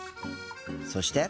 そして。